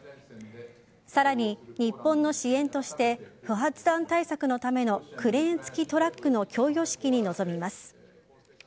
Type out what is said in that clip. さらに、日本の支援として不発弾対策のためのクレーン付きトラックの供与式に臨みます。